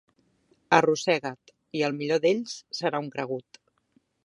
Arrossega't, i el millor d'ells serà un cregut.